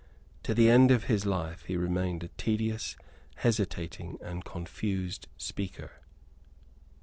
To the end of his life he remained a tedious, hesitating and confused speaker.